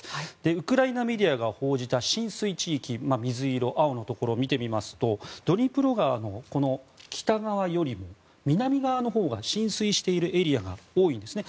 ウクライナメディアが報じた浸水地域水色、青のところを見てみますとドニプロ川の北側よりも南側のほうが浸水しているエリアが多いんですね。